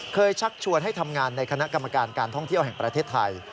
ชักชวนให้ทำงานในคณะกรรมการการท่องเที่ยวแห่งประเทศไทย